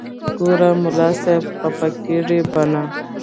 ګوره ملا صاحب خپه کېږې به نه.